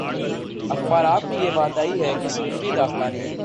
اخبارات میں یہ بات آئی ہے کہ سیکرٹری داخلہ نے